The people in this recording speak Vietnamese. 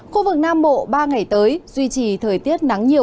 khu vực nam bộ ba ngày tới duy trì thời tiết nắng nhiều